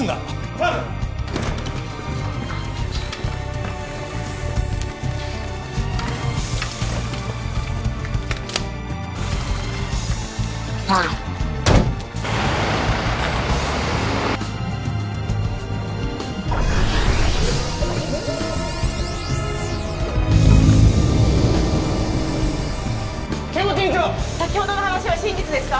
もらうよ剣持院長先ほどの話は真実ですか？